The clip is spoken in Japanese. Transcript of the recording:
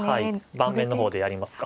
盤面の方でやりますか。